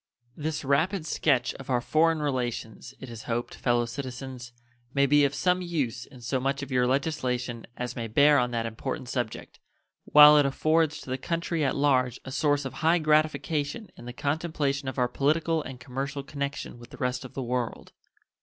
This rapid sketch of our foreign relations, it is hoped, fellow citizens, may be of some use in so much of your legislation as may bear on that important subject, while it affords to the country at large a source of high gratification in the contemplation of our political and commercial connection with the rest of the world.